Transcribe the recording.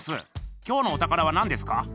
きょうのお宝はなんですか？